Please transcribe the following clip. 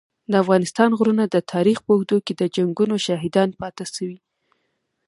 د افغانستان غرونه د تاریخ په اوږدو کي د جنګونو شاهدان پاته سوي.